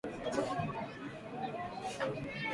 Inani pashwa ni uze bintu byangu miye moya